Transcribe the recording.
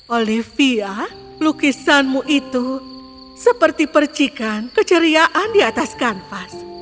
olivia lukisanmu itu seperti percikan keceriaan di atas kanvas